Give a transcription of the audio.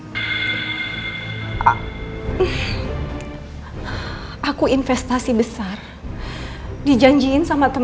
temen temen aku ini semua salah aku aku investasi besar dijanjiin sama temen temen